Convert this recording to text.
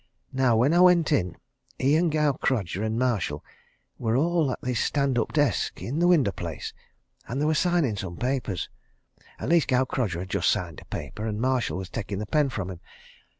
Now when I went in, he and Gaukrodger and Marshall were all at this stand up desk in the window place and they were signing some papers. At least Gaukrodger had just signed a paper, and Marshall was taking the pen from him.